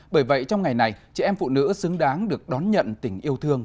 bởi vậy trong ngày này chị em phụ nữ xứng đáng được đón nhận tình yêu thương